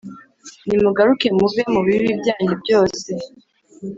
Nimugaruke muve mu bibi byanyu byose